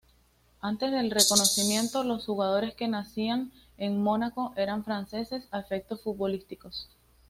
Antes del reconocimiento, los jugadores que nacían en Mónaco eran franceses a efectos futbolísticos.